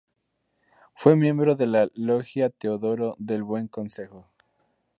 Fue miembro de la Logia Teodoro del Buen Consejo.